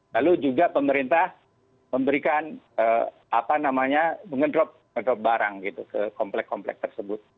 lalu juga pemerintah memberikan apa namanya mengedrop ngedrop barang gitu ke komplek komplek tersebut